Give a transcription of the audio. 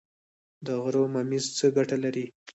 د غره ممیز څه ګټه لري؟